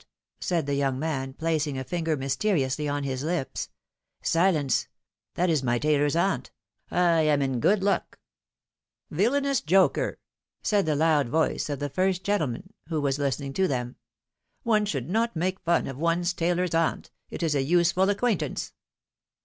^^ said the young man, placing a finger mysteri ously on his lips. Silence! That is my tailoPs aunt; I am in good luck ! Villanous joker !^^ said the loud voice of the first gentleman,^' who was listening to them. ''One should not make fun of one's tailor's aunt ; it is a useful acquaintance."